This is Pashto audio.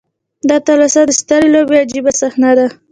دا تلوسه د سترې لوبې عجیبه صحنه ده.